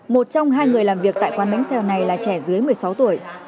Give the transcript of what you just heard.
một trong hai người làm việc tại quán bánh xèo này là trẻ dưới một mươi sáu tuổi